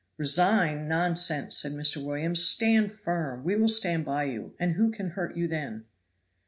"Resign! Nonsense!" said Mr. Williams. "Stand firm. We will stand by you, and who can hurt you then?"